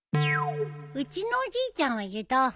うちのおじいちゃんは湯豆腐。